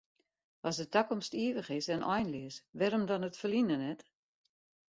As de takomst ivich is en einleas, wêrom dan it ferline net?